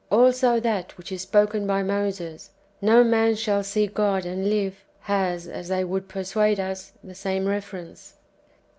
Also that which is spoken by Moses, " No man shall see God and live," ^ has, as they would persuade us, the same reference.